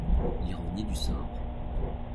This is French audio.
L'Ironie du sort.